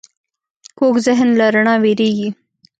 کوږ ذهن له رڼا وېرېږي